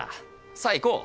さあ行こう！